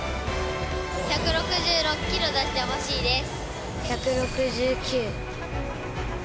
１６６キロ出してほしいです。